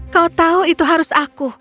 kau tahu itu harus aku